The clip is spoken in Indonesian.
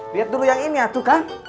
lihat dulu yang ini tuh kang